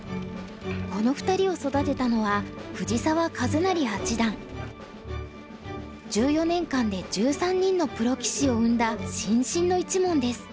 この２人を育てたのは１４年間で１３人のプロ棋士を生んだ新進の一門です。